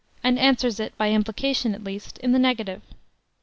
and answers it, by implication at least, in the negative.